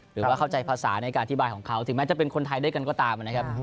หรือว่าเข้าใจภาษาในการอธิบายของเขาถึงแม้จะเป็นคนไทยด้วยกันก็ตามนะครับ